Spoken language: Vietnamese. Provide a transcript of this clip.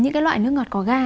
những cái loại nước ngọt có ga